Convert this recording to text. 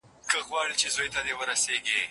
نه لاسونه ورته پورته په دعا سول